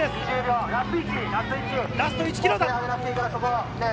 ラスト１ｋｍだ！